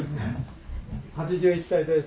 ８１歳です。